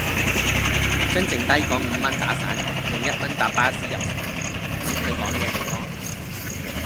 將淨低果五蚊打散，用一蚊搭巴士入城，搵佢講既地方。